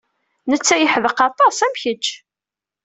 Netta yeḥdeq aṭas, am kecc.